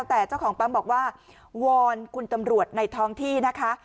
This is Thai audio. แต่เจ้าของปั๊มบอกว่าวอนคุณตำรวจในท้องที่นะคะ